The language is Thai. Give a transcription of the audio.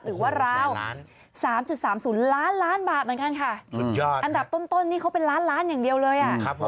หรือว่าราว๓๓๐ล้านล้านบาทอันดับต้นนี่เขาเป็นล้านอย่างเดียวเลย